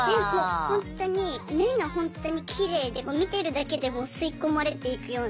ほんとに目がほんとにきれいで見てるだけでもう吸い込まれていくような。